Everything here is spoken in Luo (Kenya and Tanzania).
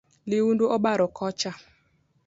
Liudu obaro koch .